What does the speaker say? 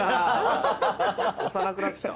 幼くなってきた？